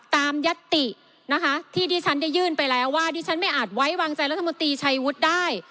ยัตตินะคะที่ที่ฉันได้ยื่นไปแล้วว่าดิฉันไม่อาจไว้วางใจรัฐมนตรีชัยวุฒิได้